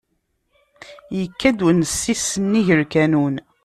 Ikka-d unessis s nnig lkanun.